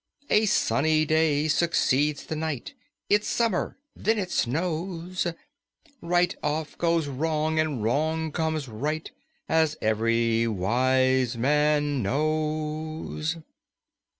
A sunny day succeeds the night; It's summer then it snows! Right oft goes wrong and wrong comes right, As ev'ry wise man knows."